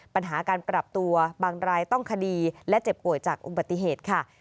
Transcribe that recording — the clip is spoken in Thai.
ปัญหาการปรับตัวบางรายต้องคดีและเจ็บป่วยจากอุบัติเหตุค่ะ